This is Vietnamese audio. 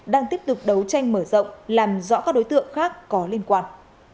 đang tiếp tục đấu tranh mở rộng làm rõ các đối tượng khác có liên quan